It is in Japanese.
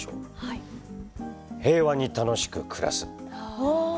「平和に楽しく暮らす」。